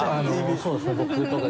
そうです。